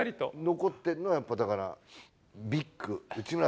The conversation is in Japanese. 残ってるのはやっぱだからビッグ。